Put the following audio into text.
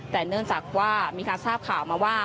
แต่เนื่องจากว่ามีการทราบข่าวมาว่า